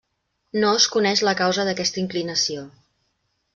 No es coneix la causa d'aquesta inclinació.